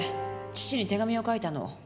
父に手紙を書いたの。